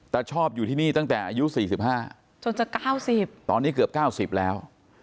ตะชอบอยู่ที่นี่ตั้งแต่อายุสี่สิบห้าจนจะเก้าสิบตอนนี้เกือบเก้าสิบแล้ว